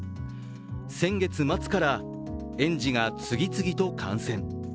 先月末から、園児が次々と感染。